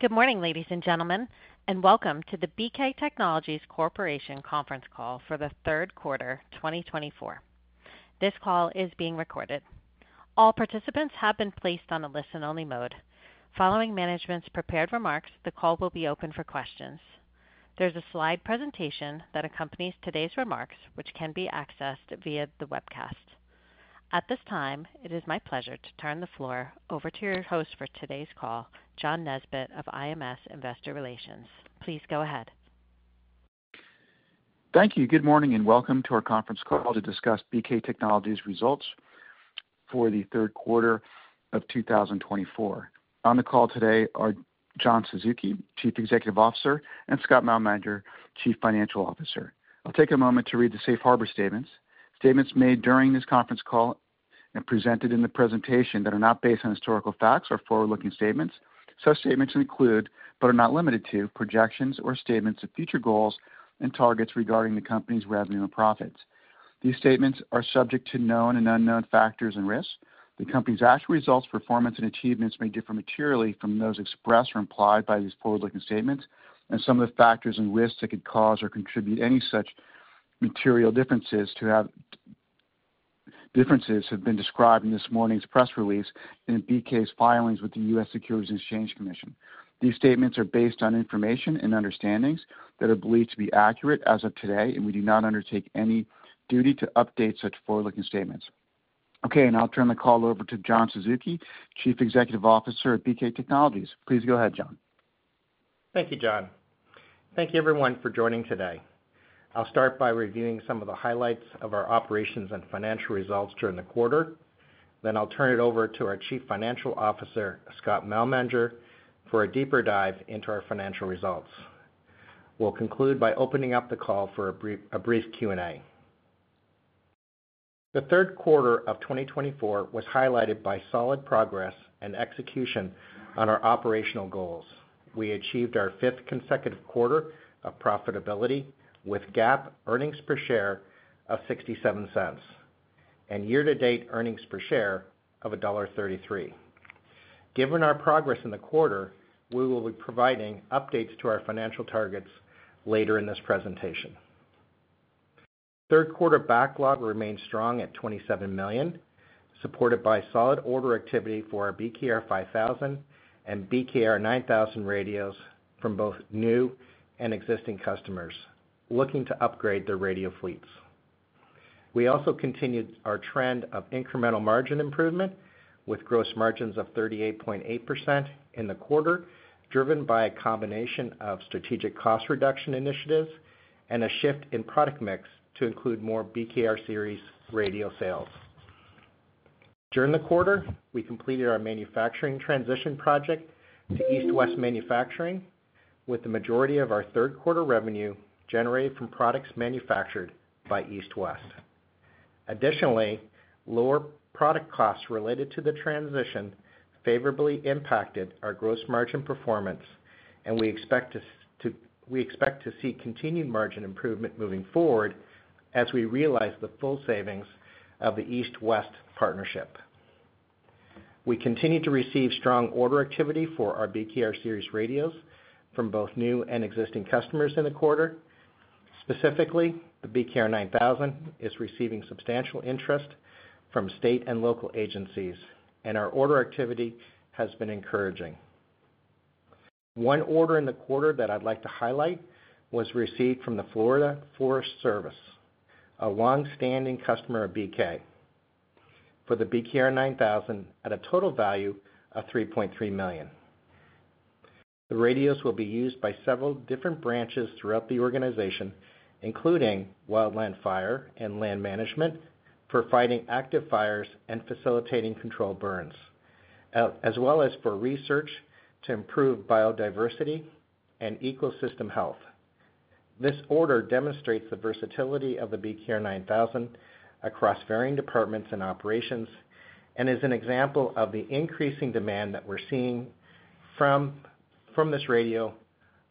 Good morning, ladies and gentlemen, and welcome to the BK Technologies Corporation conference call for the third quarter, 2024. This call is being recorded. All participants have been placed on a listen-only mode. Following management's prepared remarks, the call will be open for questions. There's a slide presentation that accompanies today's remarks, which can be accessed via the webcast. At this time, it is my pleasure to turn the floor over to your host for today's call, John Nesbett of IMS Investor Relations. Please go ahead. Thank you. Good morning and welcome to our conference call to discuss BK Technologies' results for the third quarter of 2024. On the call today are John Suzuki, Chief Executive Officer, and Scott Malmanger, Chief Financial Officer. I'll take a moment to read the safe harbor statements, statements made during this conference call and presented in the presentation that are not based on historical facts or forward-looking statements. Such statements include, but are not limited to, projections or statements of future goals and targets regarding the company's revenue and profits. These statements are subject to known and unknown factors and risks. The company's actual results, performance, and achievements may differ materially from those expressed or implied by these forward-looking statements, and some of the factors and risks that could cause or contribute any such material differences have been described in this morning's press release and BK's filings with the U.S. Securities and Exchange Commission. These statements are based on information and understandings that are believed to be accurate as of today, and we do not undertake any duty to update such forward-looking statements. Okay, and I'll turn the call over to John Suzuki, Chief Executive Officer at BK Technologies. Please go ahead, John. Thank you, John. Thank you, everyone, for joining today. I'll start by reviewing some of the highlights of our operations and financial results during the quarter. Then I'll turn it over to our Chief Financial Officer, Scott Malmanger, for a deeper dive into our financial results. We'll conclude by opening up the call for a brief Q&A. The third quarter of 2024 was highlighted by solid progress and execution on our operational goals. We achieved our fifth consecutive quarter of profitability with GAAP earnings per share of $0.67 and year-to-date earnings per share of $1.33. Given our progress in the quarter, we will be providing updates to our financial targets later in this presentation. Third quarter backlog remained strong at $27 million, supported by solid order activity for our BKR 5000 and BKR 9000 radios from both new and existing customers looking to upgrade their radio fleets. We also continued our trend of incremental margin improvement with gross margins of 38.8% in the quarter, driven by a combination of strategic cost reduction initiatives and a shift in product mix to include more BKR Series radio sales. During the quarter, we completed our manufacturing transition project to East West Manufacturing, with the majority of our third quarter revenue generated from products manufactured by East West. Additionally, lower product costs related to the transition favorably impacted our gross margin performance, and we expect to see continued margin improvement moving forward as we realize the full savings of the East West partnership. We continue to receive strong order activity for our BKR Series radios from both new and existing customers in the quarter. Specifically, the BKR 9000 is receiving substantial interest from state and local agencies, and our order activity has been encouraging. One order in the quarter that I'd like to highlight was received from the Florida Forest Service, a longstanding customer of BK, for the BKR 9000 at a total value of $3.3 million. The radios will be used by several different branches throughout the organization, including Wildland Fire and Land Management, for fighting active fires and facilitating controlled burns, as well as for research to improve biodiversity and ecosystem health. This order demonstrates the versatility of the BKR 9000 across varying departments and operations and is an example of the increasing demand that we're seeing from this radio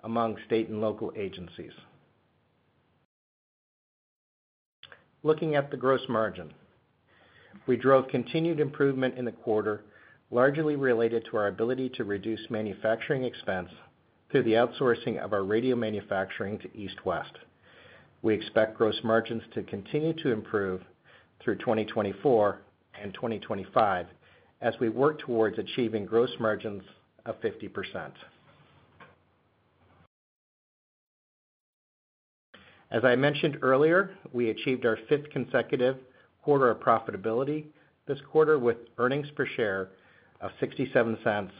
among state and local agencies. Looking at the gross margin, we drove continued improvement in the quarter, largely related to our ability to reduce manufacturing expense through the outsourcing of our radio manufacturing to East West. We expect gross margins to continue to improve through 2024 and 2025 as we work towards achieving gross margins of 50%. As I mentioned earlier, we achieved our fifth consecutive quarter of profitability this quarter with earnings per share of $0.67,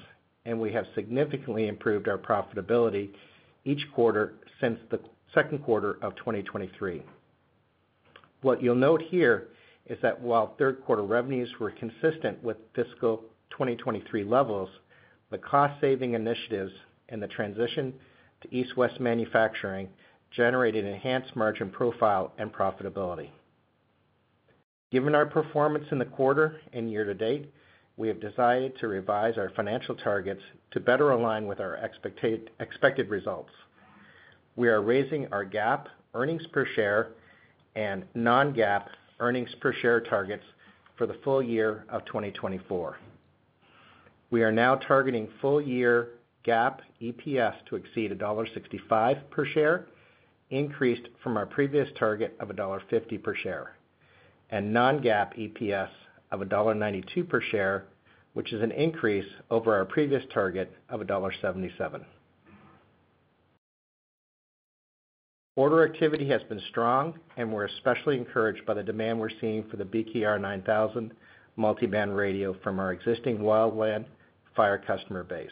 and we have significantly improved our profitability each quarter since the second quarter of 2023. What you'll note here is that while third quarter revenues were consistent with fiscal 2023 levels, the cost-saving initiatives and the transition to East West Manufacturing generated enhanced margin profile and profitability. Given our performance in the quarter and year-to-date, we have decided to revise our financial targets to better align with our expected results. We are raising our GAAP earnings per share and non-GAAP earnings per share targets for the full year of 2024. We are now targeting full-year GAAP EPS to exceed $1.65 per share, increased from our previous target of $1.50 per share, and non-GAAP EPS of $1.92 per share, which is an increase over our previous target of $1.77. Order activity has been strong, and we're especially encouraged by the demand we're seeing for the BKR 9000 multi-band radio from our existing Wildland Fire customer base.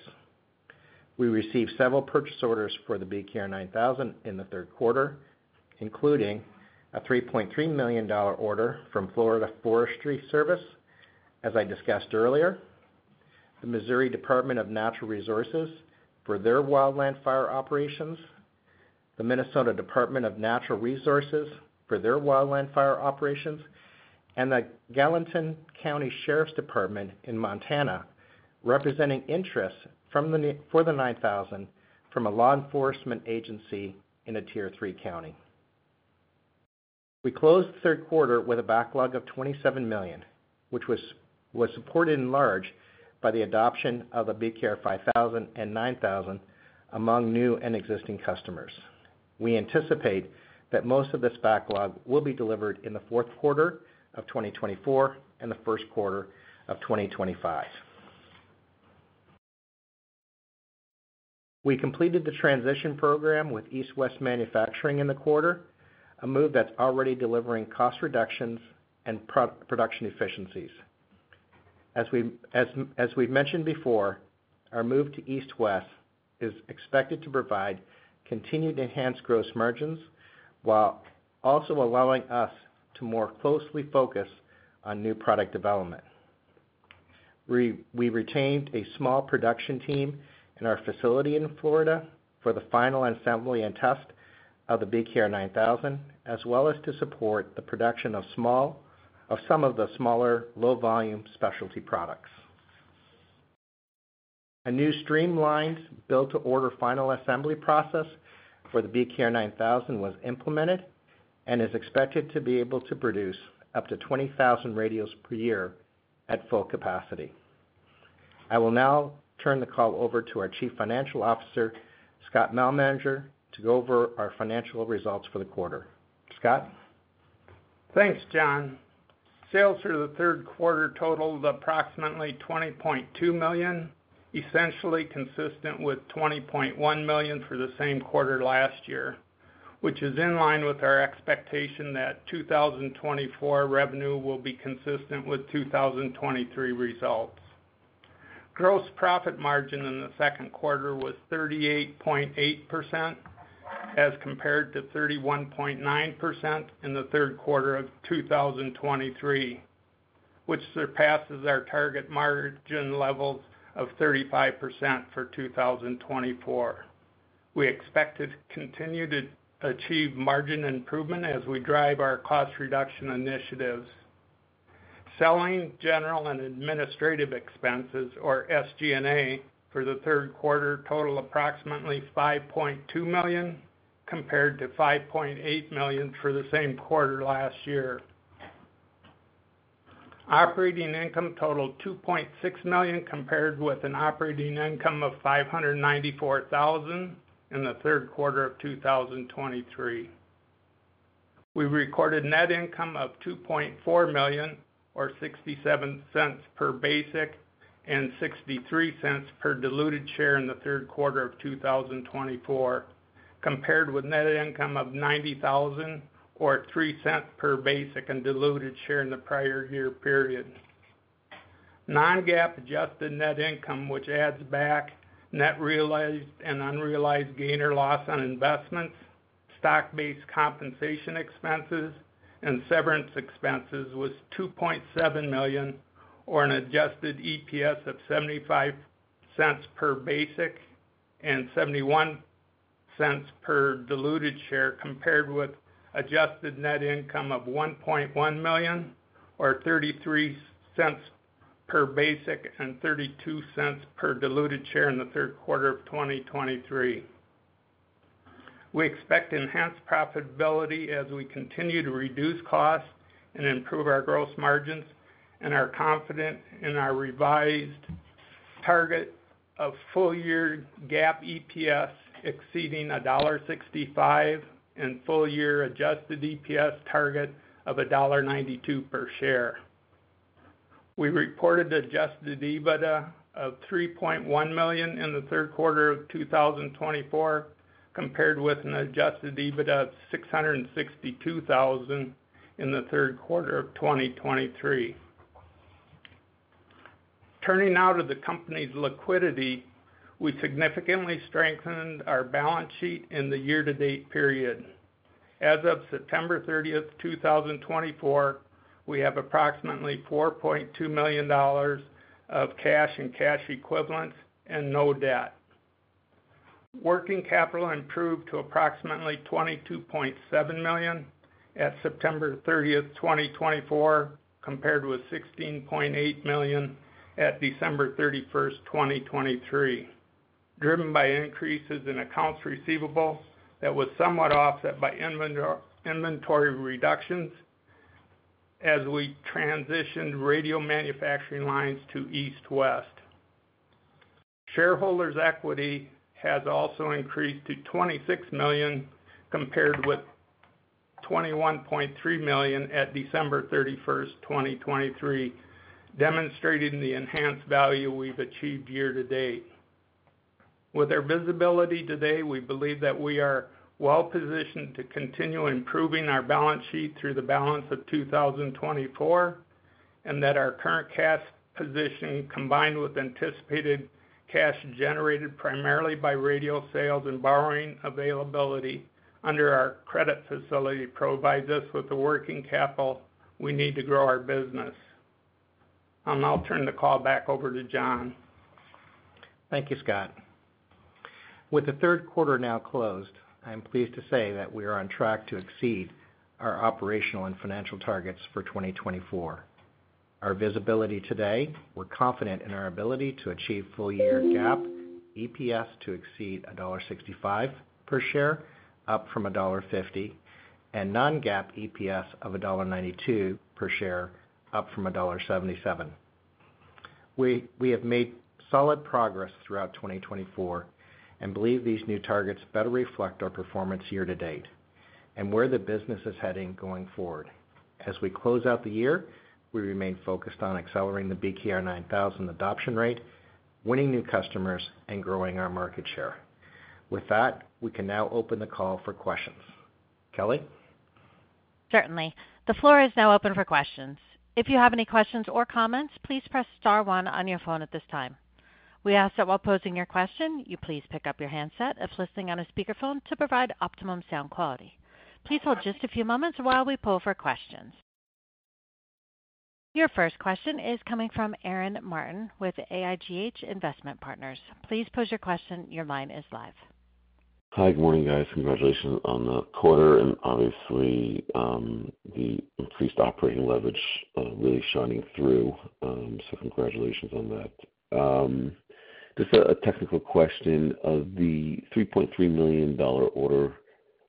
We received several purchase orders for the BKR 9000 in the third quarter, including a $3.3 million order from Florida Forest Service, as I discussed earlier, the Missouri Department of Natural Resources for their Wildland Fire operations, the Minnesota Department of Natural Resources for their Wildland Fire operations, and the Gallatin County Sheriff's Office in Montana, representing interest for the BKR 9000 from a law enforcement agency in a Tier 3 county. We closed the third quarter with a backlog of $27 million, which was supported in large part by the adoption of the BKR 5000 and BKR 9000 among new and existing customers. We anticipate that most of this backlog will be delivered in the fourth quarter of 2024 and the first quarter of 2025. We completed the transition program with East West Manufacturing in the quarter, a move that's already delivering cost reductions and production efficiencies. As we've mentioned before, our move to East West is expected to provide continued enhanced gross margins while also allowing us to more closely focus on new product development. We retained a small production team in our facility in Florida for the final assembly and test of the BKR 9000, as well as to support the production of some of the smaller low-volume specialty products. A new streamlined build-to-order final assembly process for the BKR 9000 was implemented and is expected to be able to produce up to 20,000 radios per year at full capacity. I will now turn the call over to our Chief Financial Officer, Scott Malmanger, to go over our financial results for the quarter. Scott? Thanks, John. Sales for the third quarter totaled approximately $20.2 million, essentially consistent with $20.1 million for the same quarter last year, which is in line with our expectation that 2024 revenue will be consistent with 2023 results. Gross profit margin in the second quarter was 38.8% as compared to 31.9% in the third quarter of 2023, which surpasses our target margin levels of 35% for 2024. We expect to continue to achieve margin improvement as we drive our cost reduction initiatives. Selling general and administrative expenses, or SG&A, for the third quarter totaled approximately $5.2 million compared to $5.8 million for the same quarter last year. Operating income totaled $2.6 million compared with an operating income of $594,000 in the third quarter of 2023. We recorded net income of $2.4 million, or $0.67 per basic and $0.63 per diluted share in the third quarter of 2024, compared with net income of $90,000, or $0.03 per basic and diluted share in the prior year period. Non-GAAP adjusted net income, which adds back net realized and unrealized gain or loss on investments, stock-based compensation expenses, and severance expenses, was $2.7 million, or an adjusted EPS of $0.75 per basic and $0.71 per diluted share compared with adjusted net income of $1.1 million, or $0.33 per basic and $0.32 per diluted share in the third quarter of 2023. We expect enhanced profitability as we continue to reduce costs and improve our gross margins and are confident in our revised target of full-year GAAP EPS exceeding $1.65 and full-year adjusted EPS target of $1.92 per share. We reported adjusted EBITDA of $3.1 million in the third quarter of 2024 compared with an adjusted EBITDA of $662,000 in the third quarter of 2023. Turning now to the company's liquidity, we significantly strengthened our balance sheet in the year-to-date period. As of September 30th, 2024, we have approximately $4.2 million of cash and cash equivalents and no debt. Working capital improved to approximately $22.7 million at September 30th, 2024, compared with $16.8 million at December 31st, 2023, driven by increases in accounts receivable that were somewhat offset by inventory reductions as we transitioned radio manufacturing lines to East West. Shareholders' equity has also increased to $26 million compared with $21.3 million at December 31st, 2023, demonstrating the enhanced value we've achieved year-to-date. With our visibility today, we believe that we are well-positioned to continue improving our balance sheet through the balance of 2024 and that our current cash position, combined with anticipated cash generated primarily by radio sales and borrowing availability under our credit facility, provides us with the working capital we need to grow our business. I'll now turn the call back over to John. Thank you, Scott. With the third quarter now closed, I'm pleased to say that we are on track to exceed our operational and financial targets for 2024. Our visibility today, we're confident in our ability to achieve full-year GAAP EPS to exceed $1.65 per share, up from $1.50, and non-GAAP EPS of $1.92 per share, up from $1.77. We have made solid progress throughout 2024 and believe these new targets better reflect our performance year-to-date and where the business is heading going forward. As we close out the year, we remain focused on accelerating the BKR 9000 adoption rate, winning new customers, and growing our market share. With that, we can now open the call for questions. Kelly? Certainly. The floor is now open for questions. If you have any questions or comments, please press star one on your phone at this time. We ask that while posing your question, you please pick up your handset if listening on a speakerphone to provide optimum sound quality. Please hold just a few moments while we poll for questions. Your first question is coming from Aaron Martin with AIGH Investment Partners. Please pose your question. Your line is live. Hi, good morning, guys. Congratulations on the quarter. And obviously, the increased operating leverage really shining through. So congratulations on that. Just a technical question. The $3.3 million order,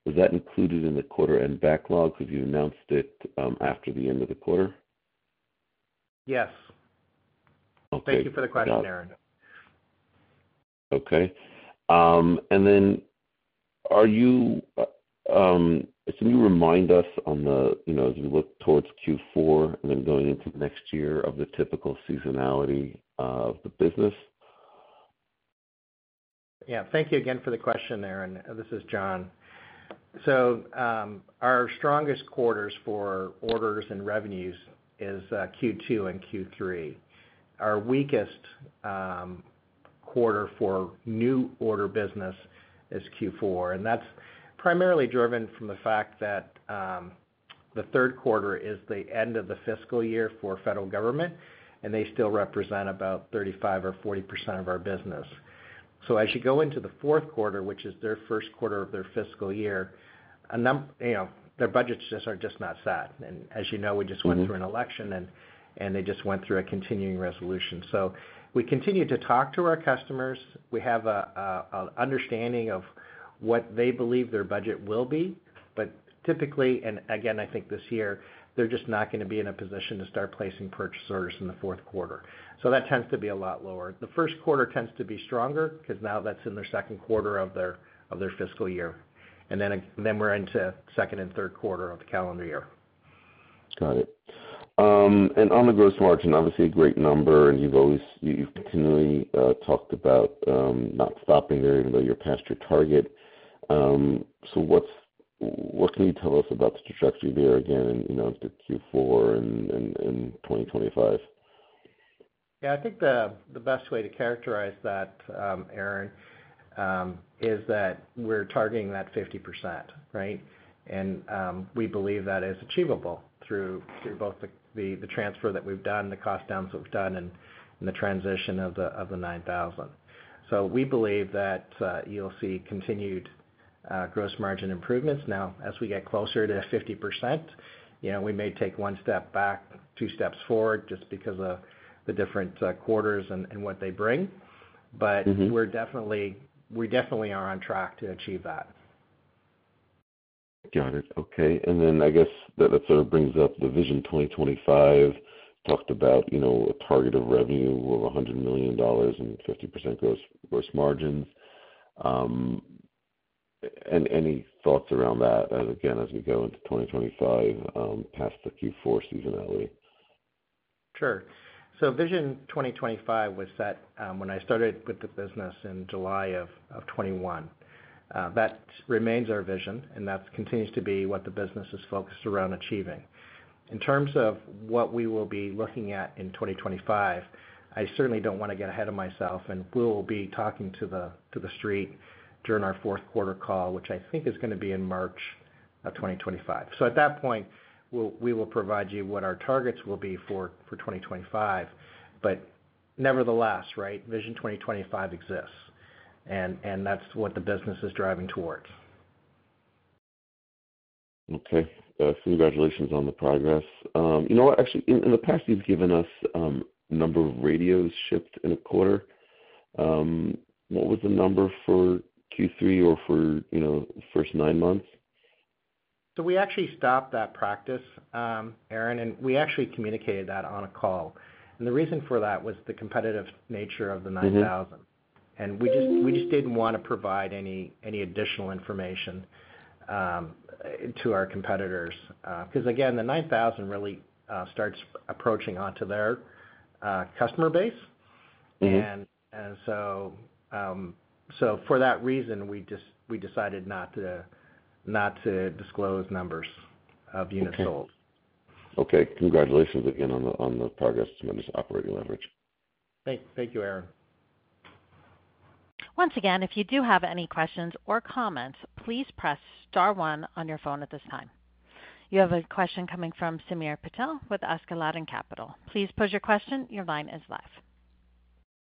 was that included in the quarter-end backlog? Because you announced it after the end of the quarter. Yes. Thank you for the question, Aaron. Okay. And then can you remind us on the, as we look towards Q4 and then going into next year of the typical seasonality of the business? Yeah. Thank you again for the question, Aaron. This is John. So our strongest quarters for orders and revenues is Q2 and Q3. Our weakest quarter for new order business is Q4, and that's primarily driven from the fact that the third quarter is the end of the fiscal year for federal government, and they still represent about 35% or 40% of our business. So as you go into the fourth quarter, which is their first quarter of their fiscal year, their budgets just are not set. And as you know, we just went through an election, and they just went through a continuing resolution. So we continue to talk to our customers. We have an understanding of what they believe their budget will be. But typically, and again, I think this year, they're just not going to be in a position to start placing purchase orders in the fourth quarter. So that tends to be a lot lower. The first quarter tends to be stronger because now that's in their second quarter of their fiscal year. And then we're into second and third quarter of the calendar year. Got it. And on the gross margin, obviously, a great number. And you've continually talked about not stopping there, even though you're past your target. So what can you tell us about the trajectory there again into Q4 and 2025? Yeah. I think the best way to characterize that, Aaron, is that we're targeting that 50%, right? And we believe that is achievable through both the transfer that we've done, the cost downs that we've done, and the transition of the BKR 9000. So we believe that you'll see continued gross margin improvements. Now, as we get closer to 50%, we may take one step back, two steps forward, just because of the different quarters and what they bring. But we definitely are on track to achieve that. Got it. Okay. And then I guess that sort of brings up the Vision 2025. Talked about a target of revenue of $100 million and 50% gross margins. And any thoughts around that, again, as we go into 2025 past the Q4 seasonality? Sure. So Vision 2025 was set when I started with the business in July of 2021. That remains our vision, and that continues to be what the business is focused around achieving. In terms of what we will be looking at in 2025, I certainly don't want to get ahead of myself, and we'll be talking to the street during our fourth quarter call, which I think is going to be in March of 2025. So at that point, we will provide you what our targets will be for 2025. But nevertheless, right, Vision 2025 exists, and that's what the business is driving towards. Okay. Congratulations on the progress. You know what? Actually, in the past, you've given us a number of radios shipped in a quarter. What was the number for Q3 or for the first nine months? So we actually stopped that practice, Aaron, and we actually communicated that on a call. And the reason for that was the competitive nature of the BKR 9000. And we just didn't want to provide any additional information to our competitors. Because again, the BKR 9000 really starts approaching onto their customer base. And so for that reason, we decided not to disclose numbers of units sold. Okay. Congratulations again on the progress to manage operating leverage. Thank you, Aaron. Once again, if you do have any questions or comments, please press star one on your phone at this time. You have a question coming from Samir Patel with Askeladden Capital. Please pose your question. Your line is live.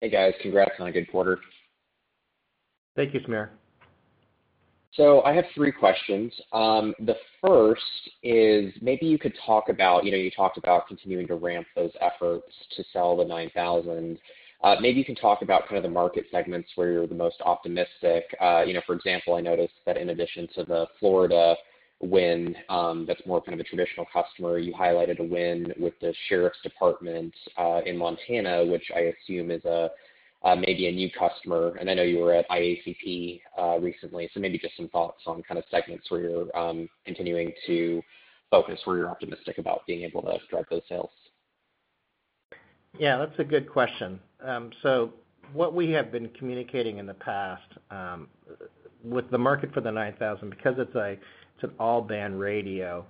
Hey, guys. Congrats on a good quarter. Thank you, Samir. So I have three questions. The first is maybe you could talk about you talked about continuing to ramp those efforts to sell the BKR 9000. Maybe you can talk about kind of the market segments where you're the most optimistic. For example, I noticed that in addition to the Florida win, that's more kind of a traditional customer, you highlighted a win with the sheriff's department in Montana, which I assume is maybe a new customer. And I know you were at IACP recently. So maybe just some thoughts on kind of segments where you're continuing to focus, where you're optimistic about being able to drive those sales. Yeah. That's a good question, so what we have been communicating in the past with the market for the BKR 9000, because it's an all-band radio,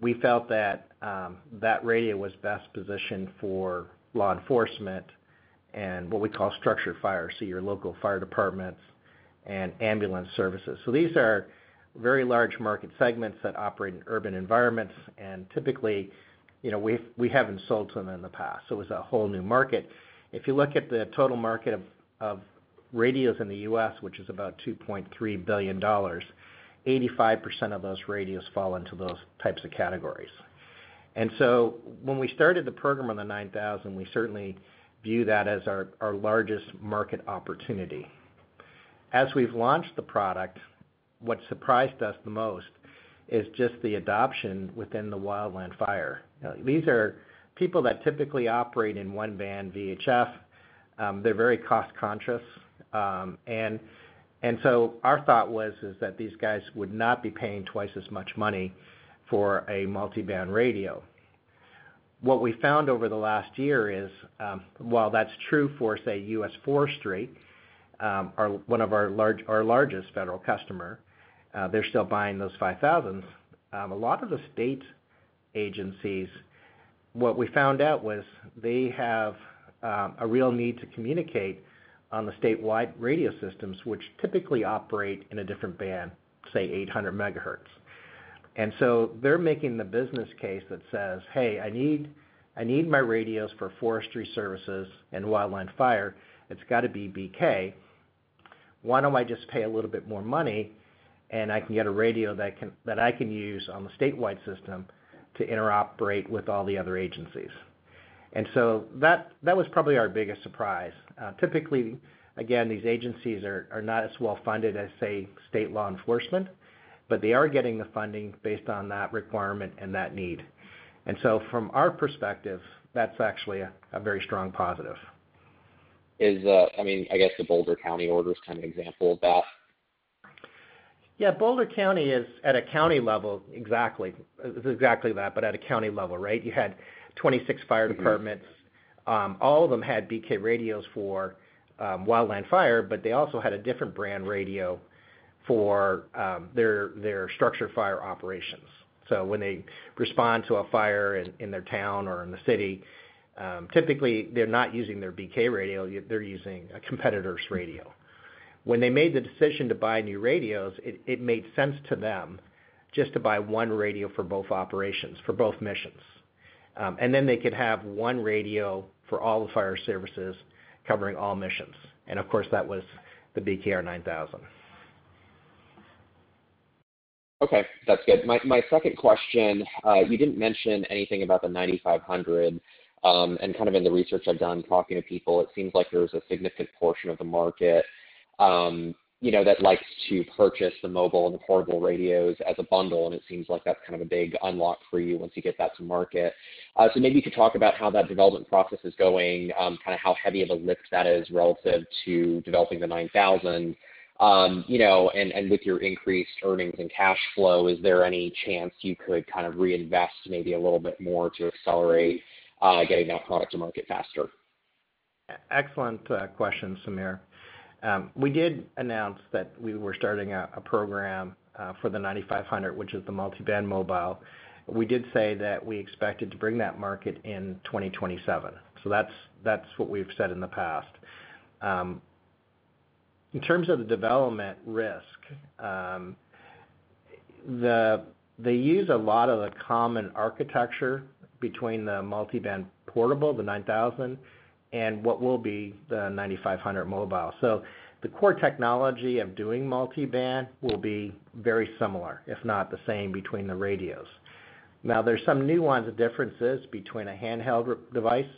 we felt that that radio was best positioned for law enforcement and what we call structural fire, so your local fire departments and ambulance services, so these are very large market segments that operate in urban environments, and typically, we haven't sold to them in the past, so it was a whole new market. If you look at the total market of radios in the U.S., which is about $2.3 billion, 85% of those radios fall into those types of categories, and so when we started the program on the BKR 9000, we certainly view that as our largest market opportunity. As we've launched the product, what surprised us the most is just the adoption within the Wildland Fire. These are people that typically operate in one-band VHF. They're very cost-conscious. And so our thought was that these guys would not be paying twice as much money for a multi-band radio. What we found over the last year is, while that's true for, say, US Forestry, one of our largest federal customers, they're still buying those BKR 5000s. A lot of the state agencies, what we found out was they have a real need to communicate on the statewide radio systems, which typically operate in a different band, say, 800 MHz. And so they're making the business case that says, "Hey, I need my radios for forestry services and Wildland Fire. It's got to be BK. Why don't I just pay a little bit more money, and I can get a radio that I can use on the statewide system to interoperate with all the other agencies?," and so that was probably our biggest surprise. Typically, again, these agencies are not as well-funded as, say, state law enforcement, but they are getting the funding based on that requirement and that need, and so from our perspective, that's actually a very strong positive. I mean, I guess the Boulder County order is kind of an example of that. Yeah. Boulder County is, at a county level, exactly that, but at a county level, right? You had 26 fire departments. All of them had BK radios for Wildland Fire, but they also had a different brand radio for their structural fire operations. So when they respond to a fire in their town or in the city, typically, they're not using their BK radio. They're using a competitor's radio. When they made the decision to buy new radios, it made sense to them just to buy one radio for both operations, for both missions. And then they could have one radio for all the fire services covering all missions. And of course, that was the BKR 9000. Okay. That's good. My second question, you didn't mention anything about the BKR 9500. And kind of in the research I've done, talking to people, it seems like there's a significant portion of the market that likes to purchase the mobile and portable radios as a bundle. And it seems like that's kind of a big unlock for you once you get that to market. So maybe you could talk about how that development process is going, kind of how heavy of a lift that is relative to developing the BKR 9000. And with your increased earnings and cash flow, is there any chance you could kind of reinvest maybe a little bit more to accelerate getting that product to market faster? Excellent question, Samir. We did announce that we were starting a program for the BKR 9500, which is the multi-band mobile. We did say that we expected to bring that market in 2027. So that's what we've said in the past. In terms of the development risk, they use a lot of the common architecture between the multi-band portable, the BKR 9000, and what will be the BKR 9500 mobile. So the core technology of doing multi-band will be very similar, if not the same, between the radios. Now, there's some nuance differences between a handheld device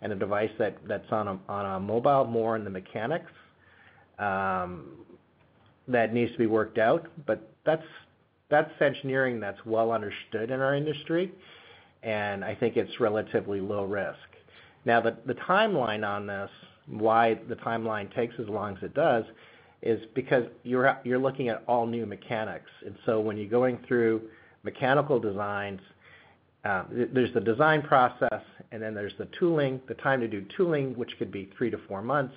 and a device that's on a mobile more in the mechanics that needs to be worked out. But that's engineering that's well understood in our industry. And I think it's relatively low risk. Now, the timeline on this, why the timeline takes as long as it does, is because you're looking at all new mechanics. And so when you're going through mechanical designs, there's the design process, and then there's the tooling, the time to do tooling, which could be three to four months.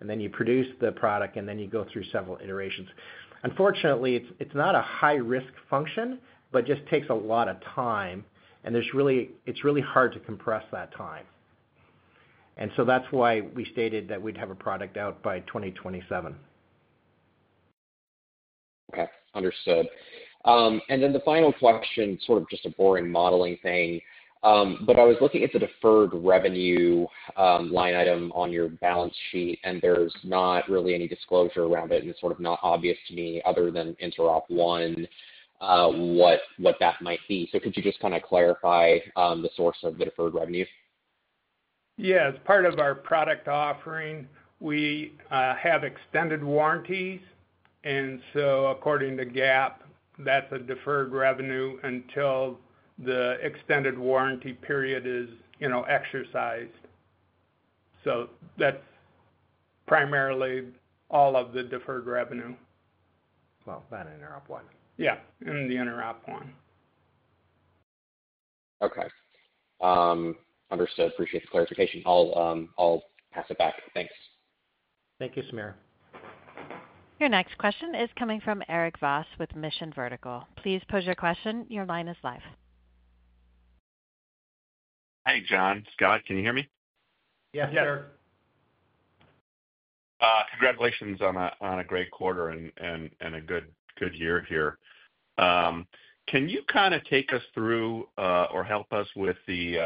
And then you produce the product, and then you go through several iterations. Unfortunately, it's not a high-risk function, but it just takes a lot of time. And it's really hard to compress that time. And so that's why we stated that we'd have a product out by 2027. Okay. Understood. And then the final question, sort of just a boring modeling thing. But I was looking at the deferred revenue line item on your balance sheet, and there's not really any disclosure around it. And it's sort of not obvious to me, other than InteropONE, what that might be. So could you just kind of clarify the source of the deferred revenue? Yeah. As part of our product offering, we have extended warranties. And so according to GAAP, that's a deferred revenue until the extended warranty period is exercised. So that's primarily all of the deferred revenue. That InteropONE. Yeah. In the InteropONE. Okay. Understood. Appreciate the clarification. I'll pass it back. Thanks. Thank you, Samir. Your next question is coming from Erik Voss with Mission Vertical. Please pose your question. Your line is live. Hey, John. Scott, can you hear me? Yes, sir. Congratulations on a great quarter and a good year here. Can you kind of take us through or help us with the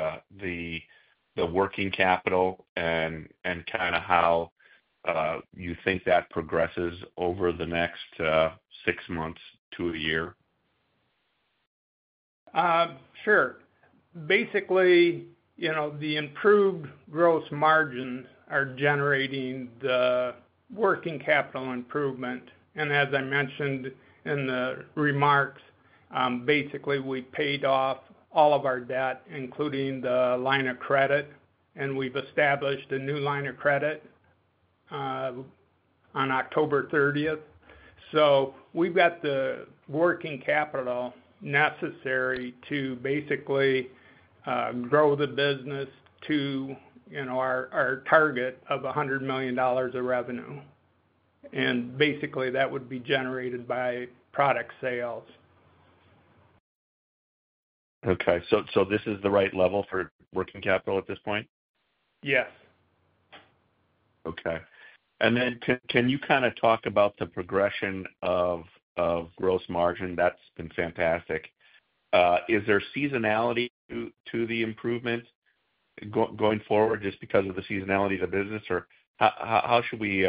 working capital and kind of how you think that progresses over the next six months to a year? Sure. Basically, the improved gross margins are generating the working capital improvement. And as I mentioned in the remarks, basically, we paid off all of our debt, including the line of credit. And we've established a new line of credit on October 30th. So we've got the working capital necessary to basically grow the business to our target of $100 million of revenue. And basically, that would be generated by product sales. Okay. So this is the right level for working capital at this point? Yes. Okay. And then can you kind of talk about the progression of gross margin? That's been fantastic. Is there seasonality to the improvement going forward just because of the seasonality of the business? Or how should we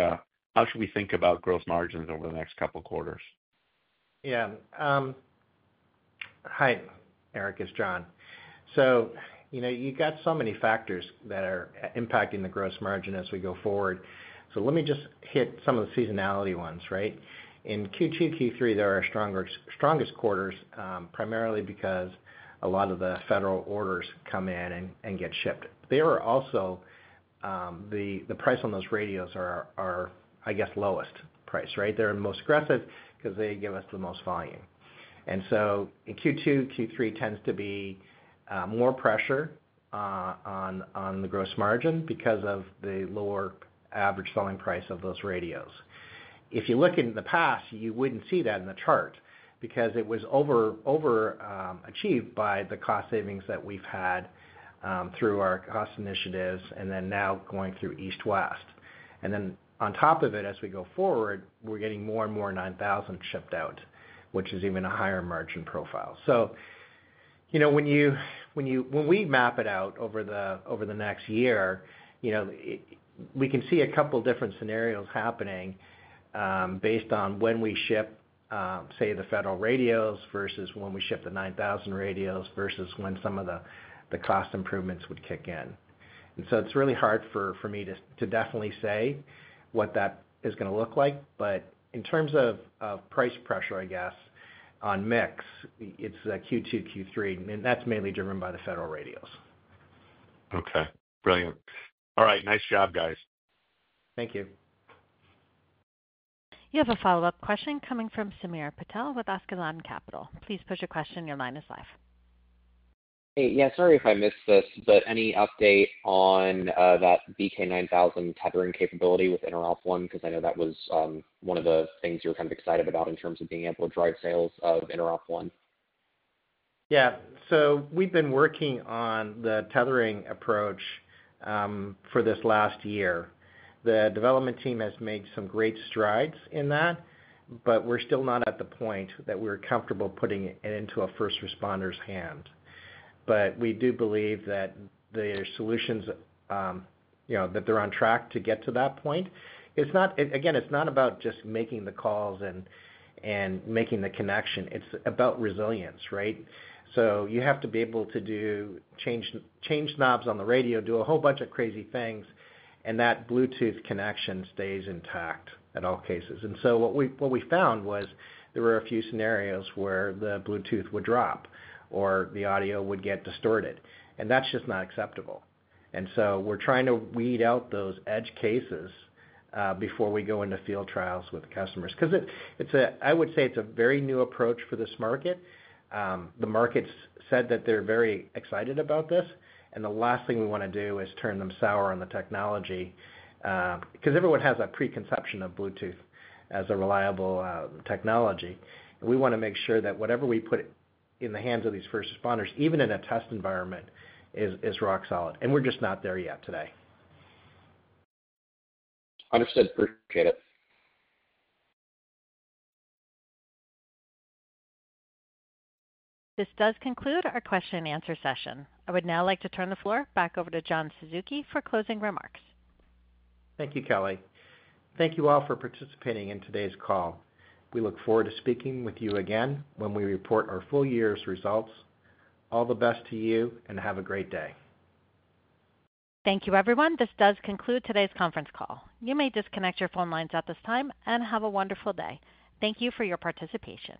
think about gross margins over the next couple of quarters? Yeah. Hi, Erik, it's John. So you've got so many factors that are impacting the gross margin as we go forward. So let me just hit some of the seasonality ones, right? In Q2, Q3, there are strongest quarters, primarily because a lot of the federal orders come in and get shipped. There are also the price on those radios are, I guess, lowest price, right? They're most aggressive because they give us the most volume. And so in Q2, Q3 tends to be more pressure on the gross margin because of the lower average selling price of those radios. If you look in the past, you wouldn't see that in the chart because it was overachieved by the cost savings that we've had through our cost initiatives and then now going through East West. And then on top of it, as we go forward, we're getting more and more BKR 9000 shipped out, which is even a higher margin profile. So when we map it out over the next year, we can see a couple of different scenarios happening based on when we ship, say, the federal radios versus when we ship the BKR 9000 radios versus when some of the cost improvements would kick in. And so it's really hard for me to definitely say what that is going to look like. But in terms of price pressure, I guess, on mix, it's Q2, Q3. And that's mainly driven by the federal radios. Okay. Brilliant. All right. Nice job, guys. Thank you. You have a follow-up question coming from Samir Patel with Askeladden Capital. Please pose your question. Your line is live. Hey. Yeah. Sorry if I missed this, but any update on that BKR 9000 tethering capability with InteropONE? Because I know that was one of the things you were kind of excited about in terms of being able to drive sales of InteropONE. Yeah. So we've been working on the tethering approach for this last year. The development team has made some great strides in that, but we're still not at the point that we're comfortable putting it into a first responder's hand. But we do believe that the solutions that they're on track to get to that point. Again, it's not about just making the calls and making the connection. It's about resilience, right? So you have to be able to change knobs on the radio, do a whole bunch of crazy things, and that Bluetooth connection stays intact in all cases. And so what we found was there were a few scenarios where the Bluetooth would drop or the audio would get distorted. And that's just not acceptable. And so we're trying to weed out those edge cases before we go into field trials with customers. Because I would say it's a very new approach for this market. The market's said that they're very excited about this. And the last thing we want to do is turn them sour on the technology. Because everyone has a preconception of Bluetooth as a reliable technology. We want to make sure that whatever we put in the hands of these first responders, even in a test environment, is rock solid. And we're just not there yet today. Understood. Appreciate it. This does conclude our question-and-answer session. I would now like to turn the floor back over to John Suzuki for closing remarks. Thank you, Kelly. Thank you all for participating in today's call. We look forward to speaking with you again when we report our full year's results. All the best to you and have a great day. Thank you, everyone. This does conclude today's conference call. You may disconnect your phone lines at this time and have a wonderful day. Thank you for your participation.